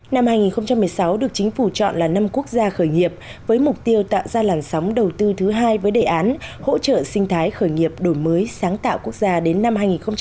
năm hai nghìn một mươi sáu được chính phủ chọn là năm quốc gia khởi nghiệp với mục tiêu tạo ra làn sóng đầu tư thứ hai với đề án hỗ trợ sinh thái khởi nghiệp đổi mới sáng tạo quốc gia đến năm hai nghìn hai mươi